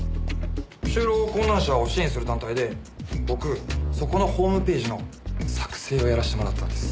就労困難者を支援する団体で僕そこのホームページの作成をやらせてもらったんです。